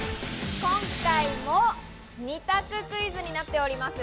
今回も２択クイズになっております。